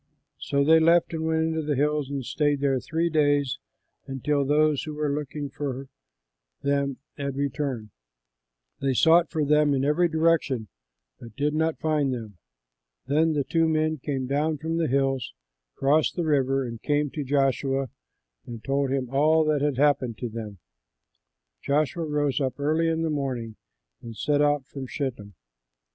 So they left and went into the hills and stayed there three days until those who were looking for them had returned. They sought for them in every direction but did not find them. Then the two men came down from the hills, crossed the river, and came to Joshua and told him all that had happened to them. Joshua rose up early in the morning and set out from Shittim.